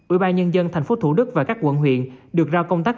ủy ban nhân dân tp hcm và các quận huyện được rao công tác